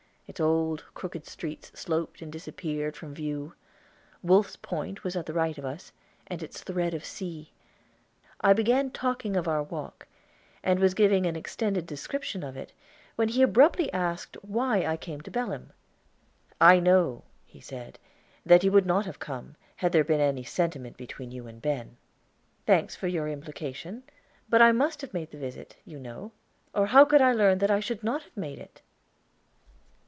Its old, crooked streets sloped and disappeared from view; Wolf's Point was at the right of us, and its thread of sea. I began talking of our walk, and was giving an extended description of it, when he abruptly asked why I came to Belem. "I know," he said, "that you would not have come, had there been any sentiment between you and Ben." "Thanks for your implication. But I must have made the visit, you know, or how could I learn that I should not have made it?"